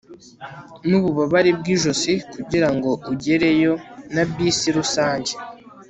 nububabare bwijosi kugirango ugereyo na bisi rusange